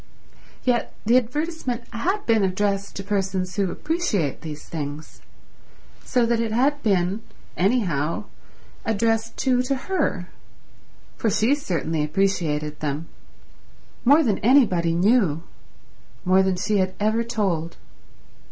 Yet the advertisement had been addressed to persons who appreciate these things, so that it had been, anyhow addressed too to her, for she certainly appreciated them; more than anybody knew; more than she had ever told.